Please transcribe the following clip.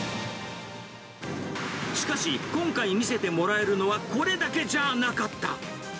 しかし、今回見せてもらえるのはこれだけじゃあなかった！